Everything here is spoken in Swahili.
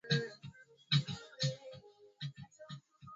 Iran yaamua kusitisha mazungumzo yake ya siri